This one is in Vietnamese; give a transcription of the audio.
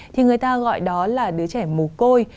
thì người ta gọi đó là đứa trẻ mồ côi